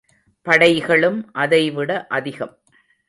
படைகளும் அதைவிட அதிகம்!